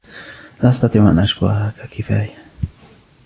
لا أستطيع أن أشكركَ كفاية.